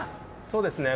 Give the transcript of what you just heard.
そうですね。